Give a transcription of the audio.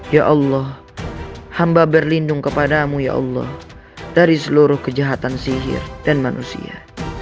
ya allah hamba berlindung kepadamu ya allah dari seluruh kejahatan sihir dan manusia